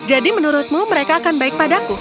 jadi menurutmu mereka akan baik padaku